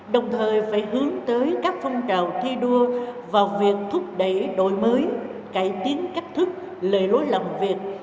đồng thời phải hướng tới các phong trào thi đua vào việc thúc đẩy đổi mới cải tiến cách thức lệ lối làm việc